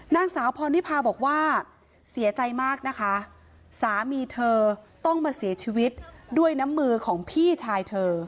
นางสาวพรนิพาบอกว่าเสียใจมากนะคะสามีเธอต้องมาเสียชีวิตด้วยน้ำมือของพี่ชายเธอ